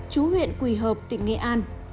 chú huyện quỳ hợp tỉnh nghệ an